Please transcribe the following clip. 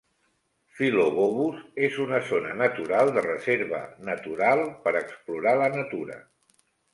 Filobobos és una zona natural de reserva natural per explorar la natura.